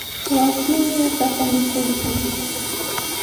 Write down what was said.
Wawqiimi uqata mikuykan.